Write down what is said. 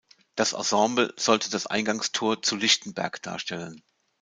Das Ensemble sollte das „Eingangstor zu Lichtenberg“ darstellen.